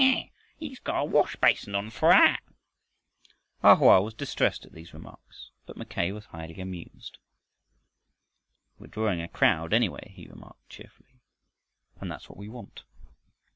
Tee hee! He's got a wash basin on for a hat!" A Hoa was distressed at these remarks, but Mackay was highly amused. "We're drawing a crowd, anyway," he remarked cheerfully, "and that's what we want."